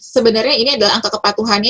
sebenarnya ini adalah angka kepatuhannya